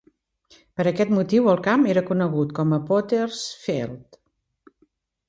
Per aquest motiu el camp era conegut com Potter's Field.